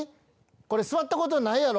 これ座ったことないやろ？